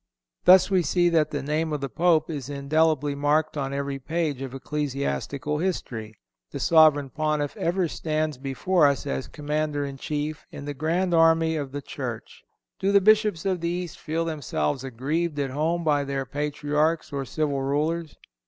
Thus we see that the name of the Pope is indelibly marked on every page of ecclesiastical history. The Sovereign Pontiff ever stands before us as commander in chief in the grand army of the Church. Do the bishops of the East feel themselves aggrieved at home by their Patriarchs or civil Rulers?